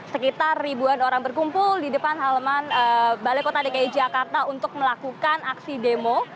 sekitar ribuan orang berkumpul di depan halaman balai kota dki jakarta untuk melakukan aksi demo